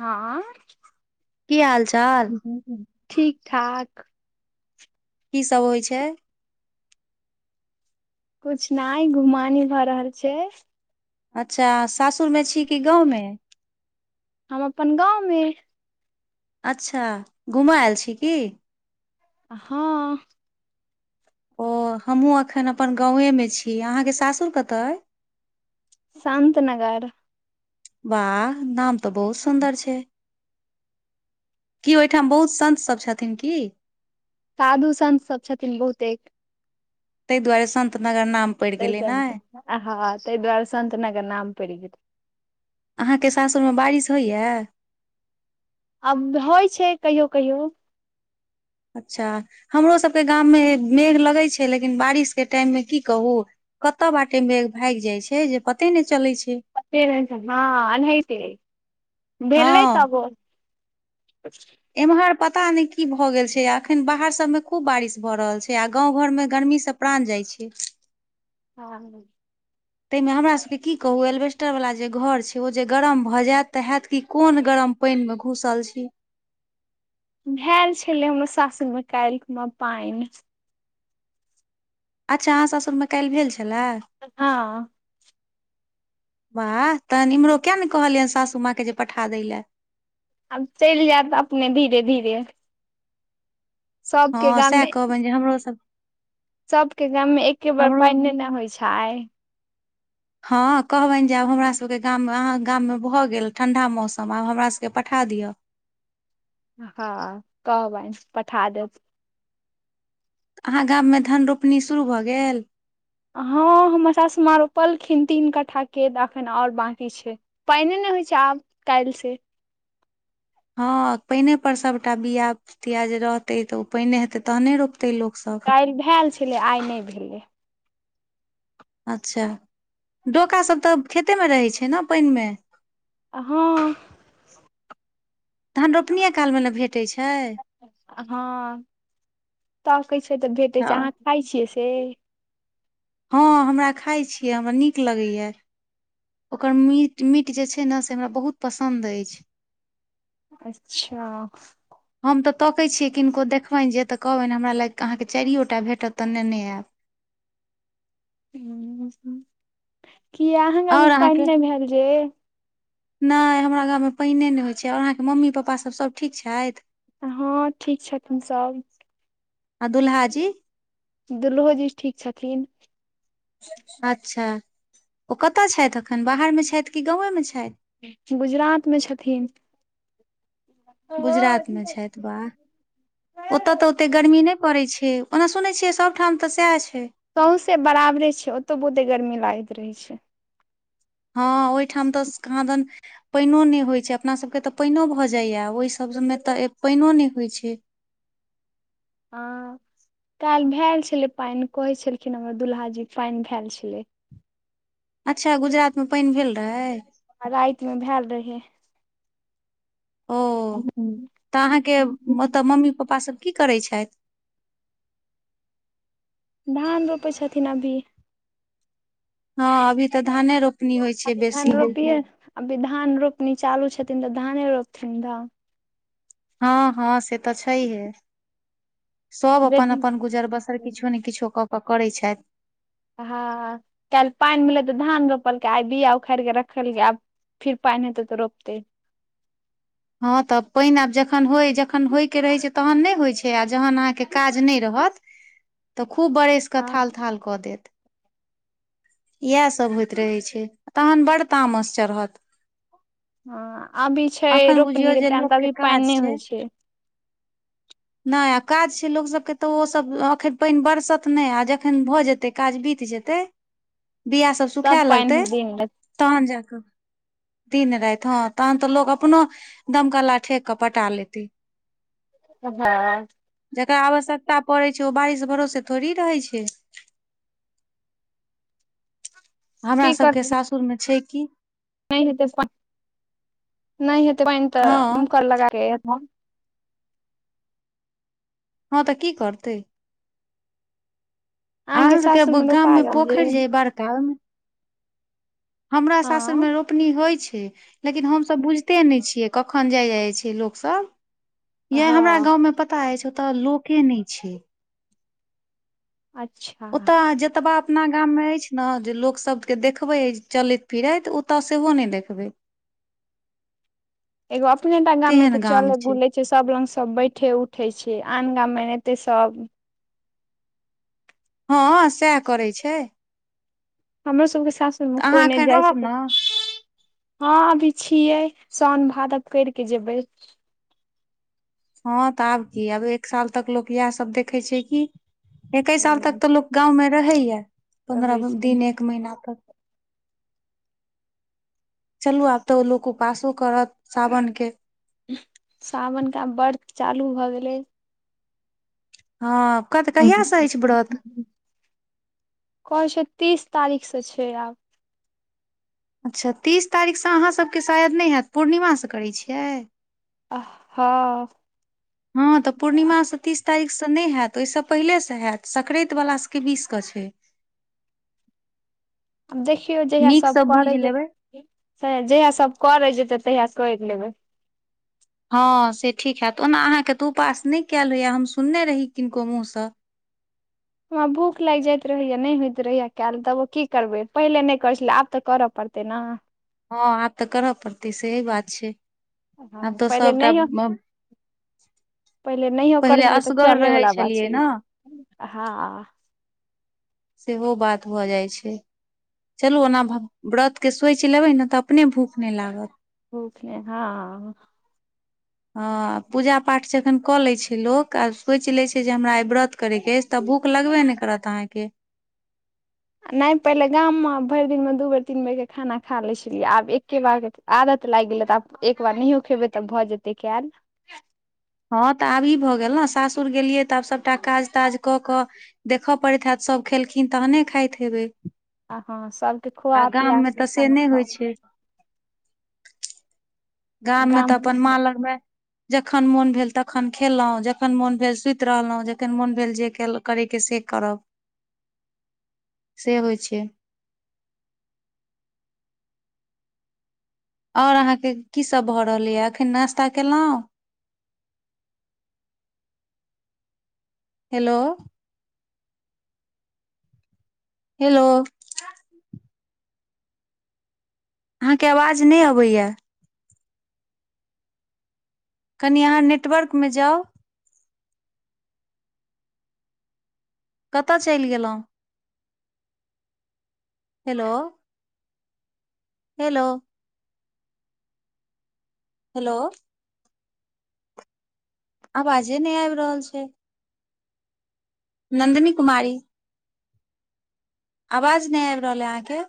आंय की हाल चाल ठीक ठाक की सब होइ छै। कुछ नाइ घुमानी भऽ रहल छै। अच्छा सासुरमे छी कि गाँवमे? हम अपन गाँवमे। अच्छा घूमऽ आयल छी की? आ हॅं ओ हमहुँ अखन अपन गाँवेमे छी अहाँके सासुर कतऽ अइ? शान्तनगर वाह नाम तऽ बहुत सुन्दर छै। की ओहिठाम बहुत सन्त सभ छथिन की? साधु संत सब छथिन बहुतेक ताहि दुआरे संत नगर नाम पड़ि त गेलै ने आ हा हा ताहि दुआरे संत नगर नाम पड़ि गेल। अहाँके सासुरमे बारिश होइयै? अब होइ छै कहियो कहियो। अच्छा हमरोसभके गाममे मेघ लगै छै लेकिन बारिशके टाइममे की कहू कतय बाटे मेघभागि जाइ छै जे पते नहि चलै छै। फेर हेतै हॉं अनहैते भेललै हँ तब ओ एम्हर पता नहि की भऽ गेल छै अखन बाहर सभमे खूब बारिश भऽ रहल छै आ गाँव घर मे गर्मी स प्राण जाइ छै। हँ तइमे हमरासभके की कहू एल्वेस्टरवला जे घर छै ओ जे गरम भऽ जायत तऽ हयत कि कोन गरम पाइन मे घुसल छी। भैल छैलै हमर सासुरमे काइल गूना पाइन अच्छा अहाँ सासुरमे काल्हि भेल छलै। हँ वाह तहैन इम्हरो कियाने कहलियैन सासू माँ के जे पठा दै लए। आब चलि जायत अपने धीरे धीरे सबके हँ गाम सएह मे कहबनि जे हमरोसभ सबके गाममे एके बेर पानि नहि ने होइ छै। हँ कहबनि जे आब हमरासभके गाममे अहाँके गाममे भऽ गेल ठण्डा मौसम आब हमरासभकेँ पठा दिअ हँ कहबनि पठा देब। अहाँके गाममे धन रोपनी शुरू भऽ गेल? हँ हमर सासुमाॅं रोपलखिन तीन कट्ठा के त एखन आओर बाँकी छै पाइने नहि होइ छै, आब काल्हि सि हं पइने पर सभटा बीया- तिया जे रहतै तऽ ओ पइने हेतै तहने रोपतै लोकसभ। काल्हि भैऽल छलै। आइ नहि भेलै। अच्छा डोकासभ तऽ खेतेमे रहैत छै ने पइनमे। अ- हं- धन रोपनिए कालमे ने भेटैय छै। अ हं। तकै छै तऽ भेटैय छै, हँ अहाँ खाइ छियै से? हं हमरा खाइ छियै, हमरा नीक लगैए। ओकर मीट- मीट जे छै ने से हमरा बहुत पसन्द अछि। अच्छा। हम तऽ तकैय छियै किनको देखबनि जे तऽ कहबनि हमरा लऽ अहाँके चारिओटा भेटत तऽ नेने आयब। किया अहाँगाम मे आओर पइन अहाँके नहि भेल जे- नहि हमरा गावमे पइने नहि होइत छै, अहाँके मम्मी पपासभ सभ ठीक छथि? हाॅं ठीक छथिन सब। आ दुल्हा जी। दुल्हो जी ठीक छथिन। अच्छा ओ कत छैथ एखन बाहरमे छैथ कि गावेमे छैथ? गुजरात मे छथिन। गुजरात मे छैथ वाह। ओत तऽ सौंसे ओतेक गर्मी नहि पड़ैत छै, ओना सुनै छिये सबठाम तऽ सएह छै। सौसे बराबरे छै, ओतो बहुते गर्मी लागैत रहै छै। हं, ओहिठाम तऽ स-कहादन- पइनो नहि होइत छै, अपनासभके तऽ पइनो भऽ जाइया, ओहिसभमे तऽ पइनो नहि होइत छै। हाॅं काल्हि भैल छलै पाइन कहै छलखिन, हमर दुल्हा जी पइन भेएल छलै। अच्छा गुजरातमे पइन भेल रहै? आ राइत मे भैल रहै। ओ तऽ अहाँके ओत मम्मी पप्पा सब की करै छथि? धान रोपै छथिन अभी। हाॅं अभी तऽ धाने रोप- अभी धान रोपिए अभी धान रोपनी चालू छथिन, तऽ धाने रोपथिन धान। हं-हंं-से तऽ छैहे। सभ यदि अपन-अपन गुजर बसर किछो ने किछो कऽ कऽ करैत छथि। हाॅं काल्हि पाइन मिलल तऽ धान रोपलकै आइ बिया उखारिकऽ रखल छय। आब- फिर पइन हेतै त रोपतै। हाॅं तऽ पइन आब जखन होय- जखन होयके रहै छै, तखन नहि होइत छै आ जखन अहाँके काज नहि रहत- तऽ खूब बरैस कऽ हँ थाल-थाल कऽ देत। इएह सभ होइत रहै छै, तहन बड तामस चढ़त। हाॅं अभी छै, अखन बुझियौ रोपनी के जे टाइम तऽ लोकके अभी पइन काज नहि होइ छै। [inaudible] नहि आ काज छै, लोक सब के तऽ ओ सब अखन पइन बरसत नहि आ जखन भए जेतै काज बीत जेतै- तै बिया सब- तब सुखाए लगतै पानि दिन तहन जाके, दिन राइत हं तहन तऽ लोग अप- अपनो दमकला ठेक कऽ पटा लेते। सभ भाय- जकरा आवश्यकता पड़ै छै, ओ बारिश भरोसे थोड़ी रहै छै। हमरा की सबके करतै सासुरमे छै कि नहि हेतै पाइन नहि हेतै पाइन तऽ हँ दमकल लगाके हाॅं तऽ की करतै। अहाँके अहाँ सबके सासुर गाम रोपा मे गेल ये पोखरि जे अइ बड़ का हमरा सासुर मे हँ रो पनी होइ छै लेकिन हमसब बुझिते नहि छियै कखन जाय जाइ छै लोकसब। यै हमरा हँ गाँव में पता अछि ओत लोके नहि छै। अच्छा ओतऽ अहाँ जतबा अपना गाम मे अछि न जे लोक सबके देखबै चलैत फिरैत ओतऽ सेहो नहि देखबै। [inaudible] एगो अपनेटा गाम मे तऽ तेहन गाम चलै बुलै छै सब लग सब बैठे उठै छियै आन गाम मे एनाहिते सब हँ सएह करै छै। हमरो सबके सासुरमे तऽ कोइ अहाँ नहि एखन जाइ छै रहब त ने हँ अभी छियै साओन भादव कैर के जेबै। हँ तऽ आब की आब एक साल तक लोक इएह सब देखै छै कि। एकै साल तक तऽ लोक गाँवमे रहैया रहै पन्द्रह छै दिन एक महिना तक चलू आब तऽ ओ लोक उपासो करत सावनके सावनक के आब व्रत चालू भऽ गेलै। हँ कतऽ कहियासँ अइछ व्रत? कहै छै तीस तारीखसँ छै आब। अच्छा तीस तारीखसँ अहाँसबके शायद नहि हैत पूर्णिमासँ करै छियै। आ हँ हँ तऽ पूर्णिमा सँ तीस तारीख सऽ नहि हैत ओहिसँ पहिले सऽ हैत‌ संक्रैत वला सभके बीस क छै। देखियौ जहिया सब नीकसँ करै बुझि लेबै जेतै जहिया सब करै जेतै तहिया करि लेबै। हँ से ठीक हैत ओना अहाँके तऽ उपास नहि कैल होइया हम सुनने रही किनको मुँहसँ। हमरा भूख लागि जाइत रहैया नहि होइत रहैया कैल तबो की करबै पहिले नहि करै छेलियै आब तऽ करऽ पड़तै नऽ। हँ आब तऽ करऽ पड़तै सही बात छै हँ आब तऽ पहिले सबटा नहियो पहिले नहियो करै छलियै तऽ चलै रहै वला बात छलियै छेलै, ने हँ। सेहो बात भऽ जाइ छै। चलू ओना भ व्रतके सोइच लेबै न तऽ अपने भूख नहि लागत। भुखले हँ हँ पूजा पाठ जखैन कऽ लै छै लोक आ सोचि लै छै जे हमरा आइ व्रत करे के अइछ तऽ भूख लगबे ने करत अहाँके नहि पहिले गाममे भरि दिनमे दू बेर तीन बेरके खाना खा लै छलियै आब एक्के बार आदत लाइग गेलै तऽ आब एकबार नहियो खेबै तब भऽ जेतै कैल। हँ तऽ आब ई भऽ गेल नऽ सासुर गेलियै तऽ आब सबटा काज ताज कऽ कऽ देखऽ पड़ैत हैत सब खेलखिन तहने खाइत हेबै। आ हँ सबके आ खुआ पिया गाममे के तऽ से खाना नहि होइ खाउ छै। गाम में तऽ अपन माँ लगमे जखन मोन भेल तखन खेलौं जखन मोन भेल सुति रहलौं जखन मोन भेल जे केल करैके से करब से होइ छै। और अहाँके की सब भऽ रहलैया अखैन नास्ता केलौं। हेलो। हेलो। अहाँके आवाज नै अबैया। कनि अहाँ नेटवर्क में जाउ। कतऽ चइल गेलौं। हेलो। हेलो। हेलो। आबाजे नै आबि रहल छै। नन्दनी कुमारी। आवाज नै आबि रहल ऐ अहाँके।